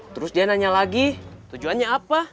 terus dia nanya lagi tujuannya apa